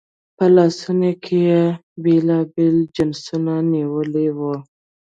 په لاسونو کې یې بېلابېل جنسونه نیولي وو.